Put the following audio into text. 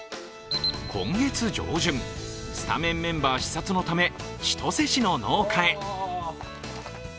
今月上旬、スタメンメンバー視察のため千歳市の農家へ。